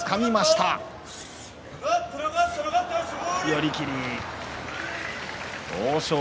寄り切り。